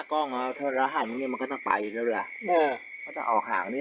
หน้ากล้องพอหันมันก็จะต้องตายอยู่เรื่อยโอ้โห